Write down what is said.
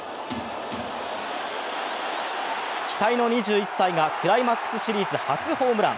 期待の２１歳がクライマックスシリーズ初ホームラン。